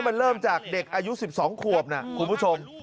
มันเริ่มจากเด็กอายุ๑๒ขวบนะคุณผู้ชม